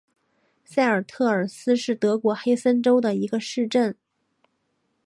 塞尔特尔斯是德国黑森州的一个市镇。